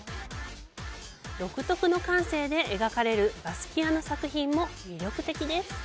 独特の感性で描かれるバスキアの作品も魅力的です。